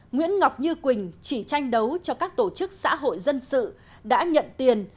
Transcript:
nguyễn ngọc như quỳnh chỉ tranh đấu cho các tổ chức xã hội dân sự đã nhận tiền